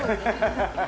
ハハハ！